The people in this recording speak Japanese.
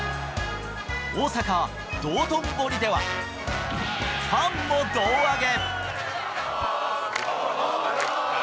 大阪・道頓堀では、ファンも胴上げ。